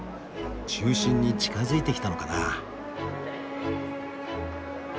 中心に近づいてきたのかな？